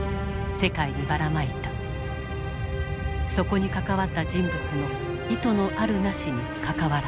そこに関わった人物の意図のあるなしにかかわらず。